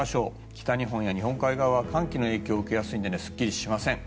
北日本日本海側は寒気の影響を受けやすいのですっきりしません。